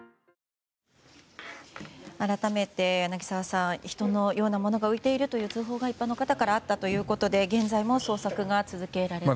改めて、柳澤さん人のようなものが浮いているという通報が一般の方からあったということで現在も捜索が続けられています。